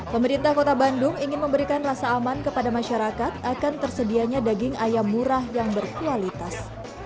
pemerintah kota bandung ingin memberikan rasa aman kepada masyarakat akan tersedianya daging ayam murah yang berkualitas